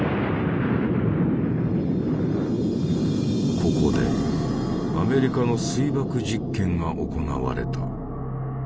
ここでアメリカの水爆実験が行われた。